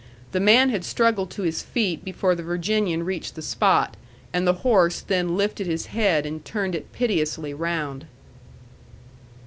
The man had struggled to his feet before the Virginian reached the spot, and the horse then lifted his head and turned it piteously round.